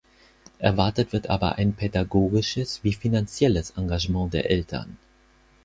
Erwartet wird aber ein pädagogisches wie finanzielles Engagement der Eltern.